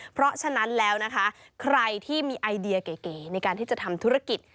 เพราะฉะนั้นแล้วนะคะใครที่มีไอเดียเก๋ในการที่จะทำธุรกิจ